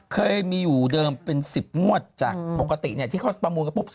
เคยมีอยู่เดิมเป็น๑๐งวดจากปกติที่เขาประมูลกันปุ๊บ